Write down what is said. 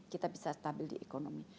kita bisa stabil di ekonomi